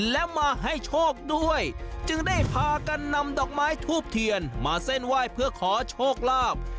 และมาให้โชคด้วยจึงได้พากันนำดอกไม้ทูบเทียนมาเส้นไหว้เพื่อขอโชคลาภ